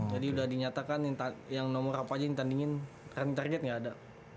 jadi udah dinyatakan yang nomor apa aja yang ditandingin running target enggak ada